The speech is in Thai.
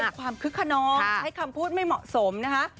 ความคึกขนองใช้คำพูดไม่เหมาะสมนะคะ